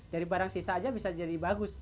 dari barang sisa aja bisa jadi bagus